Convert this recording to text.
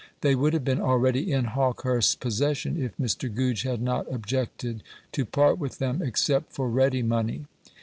They would have been already in Hawkehurst's possession, if Mr. Goodge had not objected to part with them except for ready money.